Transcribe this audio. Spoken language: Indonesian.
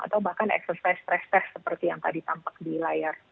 atau bahkan eksersist press test seperti yang tadi tampak di layar